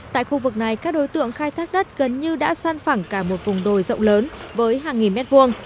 tại khu vực này các đối tượng khai thác đất gần như đã săn phẳng cả một vùng đồi rộng lớn với hàng nghìn mét vuông